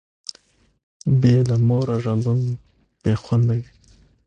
بي له موره ژوند بي خونده وي